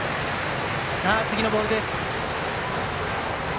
さあ次のボールです。